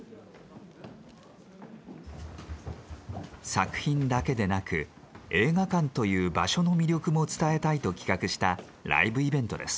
作品だけでなく映画館という場所の魅力も伝えたいと企画したライブイベントです。